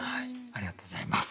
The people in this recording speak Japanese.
ありがとうございます。